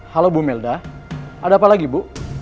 halo bu melda ada apa lagi bu